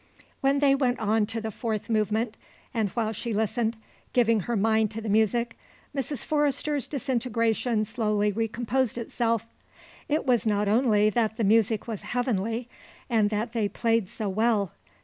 When they went on to the fourth movement, and while she listened, giving her mind to the music, Mrs. Forrester's disintegration slowly recomposed itself. It was not only that the music was heavenly and that they played so well.